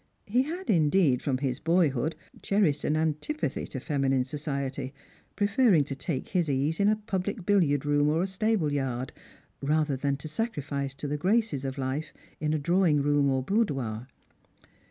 He had, indeed, from his boyhood cherished an antipa thy to feminine society, preferring to take his ease in a public billiard room or a stable yard, rather than to sacrifice to the graces of life in a drawing room or boudoir.